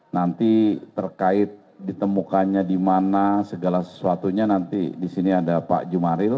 nanti terkait ditemukannya di mana segala sesuatunya nanti di sini ada pak jumaril